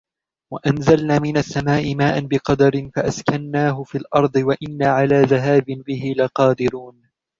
وَأَنْزَلْنَا مِنَ السَّمَاءِ مَاءً بِقَدَرٍ فَأَسْكَنَّاهُ فِي الْأَرْضِ وَإِنَّا عَلَى ذَهَابٍ بِهِ لَقَادِرُونَ